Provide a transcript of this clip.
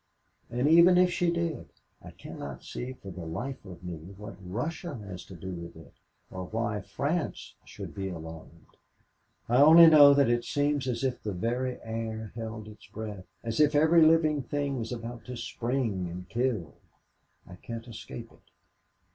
And even if she did, I cannot see for the life of me what Russia has to do with it or why France should be alarmed. "I only know that it seems as if the very air held its breath, as if every living thing was about to spring and kill I can't escape it.